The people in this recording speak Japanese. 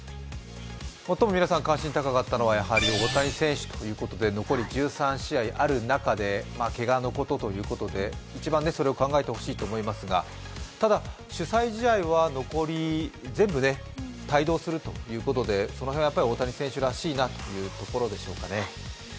最も皆さんの関心が高かったのは大谷選手ということで残り１３試合あるけれどもけがのことということでそれを一番考えて欲しいと思いますがただ主催試合は残り全部帯同するということでその辺はやっぱり大谷選手らしいなというところでしょうかね。